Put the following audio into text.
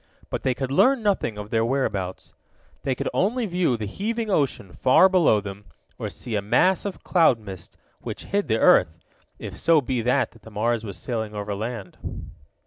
But they could learn nothing of their whereabouts. They could only view the heaving ocean, far below them, or see a mass of cloud mist, which hid the earth, if so be that the Mars was sailing over land.